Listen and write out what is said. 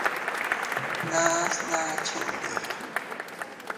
Nas naa chindiya.